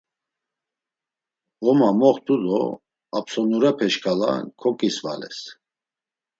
Ğoma moxt̆u do Apsonurepe şǩala koǩisvales.